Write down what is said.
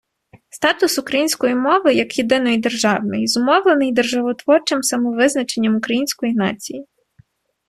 Статус української мови як єдиної державної мови зумовлений державотворчим самовизначенням української нації.